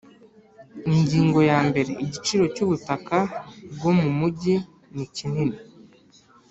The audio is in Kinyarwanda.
Ingingo yambere Igiciro cy ubutaka bwo mu mujyi nikinini